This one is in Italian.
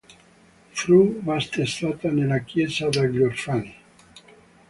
Fu battezzata nella Chiesa degli Orfani.